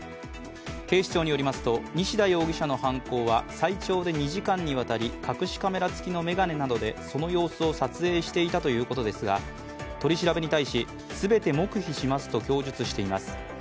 警視庁によりますと、西田容疑者の犯行は最長で２時間にわたり、隠しカメラ付きのめがねなどでその様子を撮影していたということですが取り調べに対し、全て黙秘しますと供述しています。